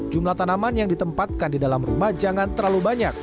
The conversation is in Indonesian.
jumlah tanaman yang ditempatkan di dalam rumah jangan terlalu banyak